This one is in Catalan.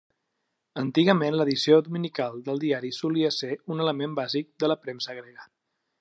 Antigament l'edició dominical del diari solia ser un element bàsic de la premsa grega.